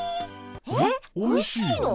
えっおいしいの？